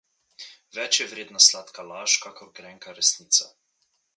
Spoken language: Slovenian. Več je vredna sladka laž kakor grenka resnica.